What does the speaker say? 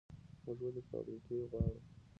موږ ولې فابریکې غواړو؟